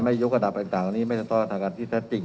ไม่ยกกระดับอะไรต่างอันนี้ไม่ต้องตรการที่แทรกจริง